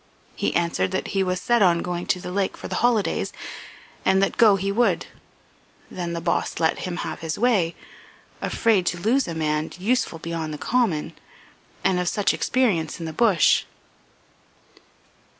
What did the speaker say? He answered that he was set on going to the lake for the holidays, and that go he would. Then the boss let him have his way, afraid to lose a man useful beyond the common, and of such experience in the bush."